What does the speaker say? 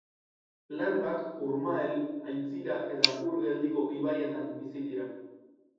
Larbak urmael, aintzira eta ur geldiko ibaietan bizi dira.